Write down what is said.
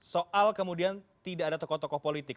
soal kemudian tidak ada tokoh tokoh politik